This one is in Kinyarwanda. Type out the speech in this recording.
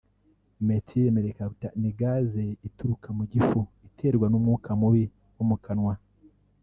Methyl Mercaptan ni Gaze ituruka mu gifu iterwa n’umwuka mubi wo mukanwa